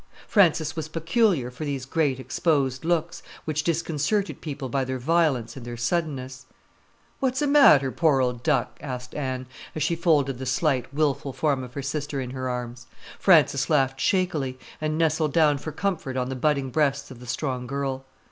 Frances was peculiar for these great, exposed looks, which disconcerted people by their violence and their suddenness. "What's a matter, poor old duck?" asked Anne, as she folded the slight, wilful form of her sister in her arms. Frances laughed shakily, and nestled down for comfort on the budding breasts of the strong girl.